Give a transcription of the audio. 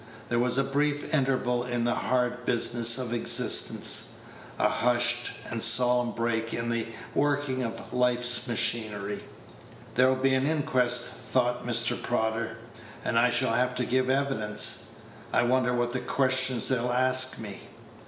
There was a brief interval in the hard business of existence a hushed and solemn break in the working of life's machinery. "There'll be an inquest," thought Mr. Prodder, "and I shall have to give evidence. I wonder what questions they'll ask me?"